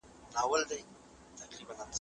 د علم د پراختیا لامل کیږي.